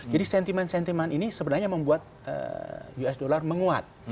jadi sentimen sentimen ini sebenarnya membuat us dollar menguat